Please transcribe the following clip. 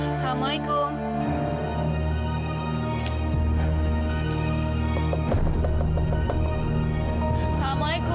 ada orang ya